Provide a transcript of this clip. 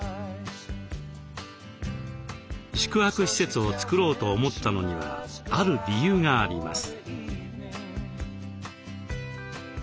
宿泊施設を作ろうと思ったのにはある理由があります。